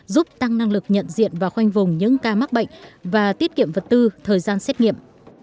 giúp tăng năng lực nhận diện và khoanh vùng những ca mắc bệnh và tiết kiệm vật tư thời gian xét nghiệm